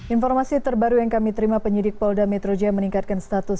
informasi terbaru yang kami terima penyidik polda metro jaya meningkatkan status